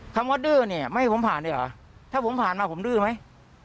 คำว่าดื้อเนี่ยไม่ให้ผมผ่านดีกว่าถ้าผมผ่านมาผมดื้อไหม